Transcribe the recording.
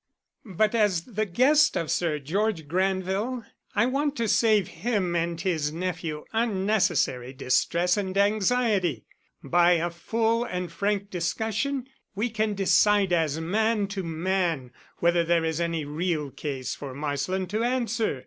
But as the guest of Sir George Granville, I want to save him and his nephew unnecessary distress and anxiety. By a full and frank discussion we can decide as man to man whether there is any real case for Marsland to answer.